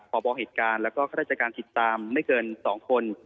พบเหตุการณ์แล้วก็ข้าราชการติดตามไม่เกิน๒คน